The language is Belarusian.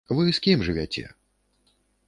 Вы з кім жывяце?